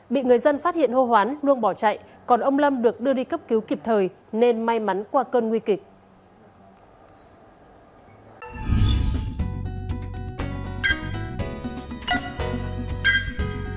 bị người dân phát hiện hô hoán luông bỏ chạy còn ông lâm được đưa đi cấp cứu kịp thời nên may mắn qua cơn nguy kịch